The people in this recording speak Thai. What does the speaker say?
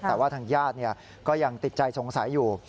แต่ว่าทางญาติก็ยังติดใจสงสัยอยู่